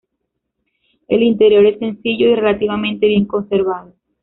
El interior es sencillo y relativamente bien conservado.